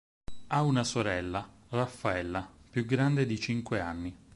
Ha una sorella, Raffaella, più grande di cinque anni.